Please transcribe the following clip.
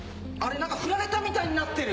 何かフラれたみたいになってる！